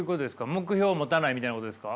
目標を持たないみたいなことですか？